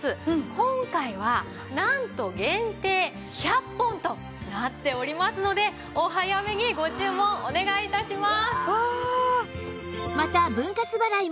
今回はなんと限定１００本となっておりますのでお早めにご注文お願い致します！